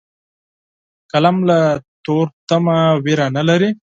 قلم له تورتمه ویره نه لري